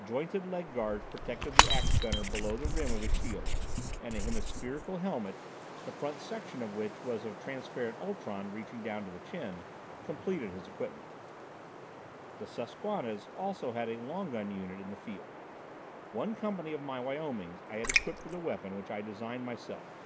Jointed leg guards protected the ax gunner below the rim of his shield, and a hemispherical helmet, the front section of which was of transparent ultron reaching down to the chin, completed his equipment. The Susquannas also had a long gun unit in the field. One company of my Wyomings I had equipped with a weapon which I designed myself.